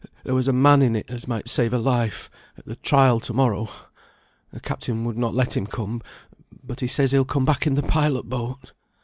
There was a man in it as might save a life at the trial to morrow. The captain would not let him come, but he says he'll come back in the pilot boat."